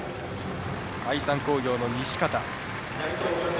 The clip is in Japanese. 愛三工業の西方。